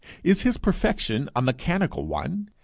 Is his perfection a mechanical one?